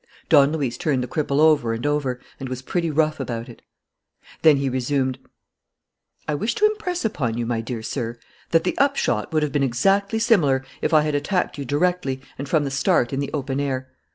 Don Luis turned the cripple over and over and was pretty rough about it. Then he resumed: "I wish to impress upon you, my dear sir, that the upshot would have been exactly similar if I had attacked you directly and from the start in the open air.